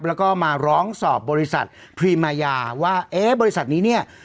แล้วก็มาร้องสอบบริษัทพรีมายาว่าเอ๊ะบริษัทนี้เนี่ย